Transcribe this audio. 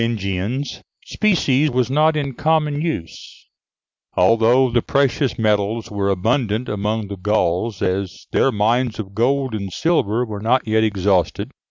] Under the Merovingians specie was not in common use, although the precious metals were abundant among the Gauls, as their mines of gold and silver were not yet exhausted.